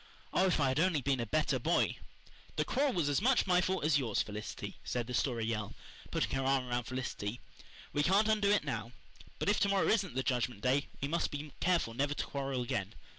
Oh, if I had only been a better boy! "The quarrel was as much my fault as yours, Felicity," said the Story Girl, putting her arm around Felicity. "We can't undo it now. But if to morrow isn't the Judgment Day we must be careful never to quarrel again.